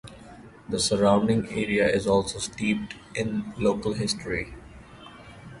The surrounding area is also steeped in local history.